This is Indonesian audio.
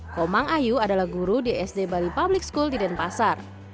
komang ayu adalah guru di sd bali public school di denpasar